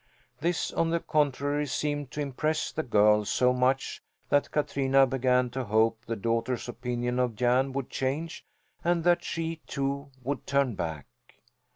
This, on the contrary, seemed to impress the girl so much that Katrina began to hope the daughter's opinion of Jan would change and that she, too, would turn back.